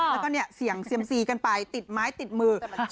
แล้วก็เนี่ยเสี่ยงเซียมซีกันไปติดไม้ติดมือ